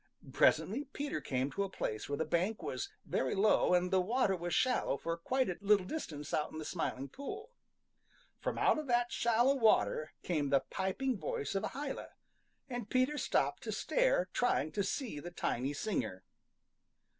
Presently Peter came to a place where the bank was very low and the water was shallow for quite a little distance out in the Smiling Pool. From out of that shallow water came the piping voice of a hyla, and Peter stopped to stare, trying to see the tiny singer.